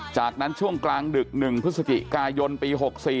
จากนั้นช่วงกลางดึก๑พฤศจิกายนปี๖๔